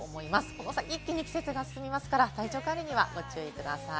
この先、一気に季節が進むので、体調管理にはご注意ください。